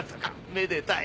めでたい。